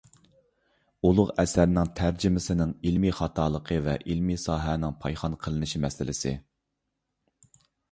ئۇلۇغ ئەسەرنىڭ تەرجىمىسىنىڭ ئىلمىي خاتالىقى ۋە ئىلمىي ساھەنىڭ پايخان قىلىنىشى مەسىلىسى